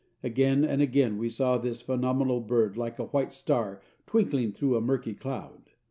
Again and again we saw this phenomenal bird like a white star twinkling through a murky cloud.